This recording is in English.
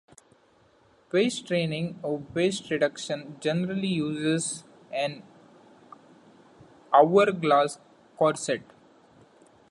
Waist training, or waist reduction, generally uses an hourglass corset.